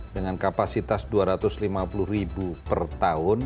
dengan kapasitas dua ratus lima puluh ribu per tahun